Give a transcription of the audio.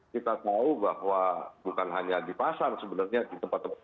kita tahu bahwa bukan hanya di pasar sebenarnya di tempat tempat